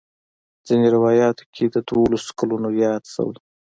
ځینې روایاتو کې د دولسو کلونو یاد شوی.